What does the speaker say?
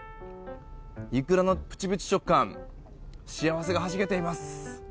イクラのプチプチ食感幸せがはじけています。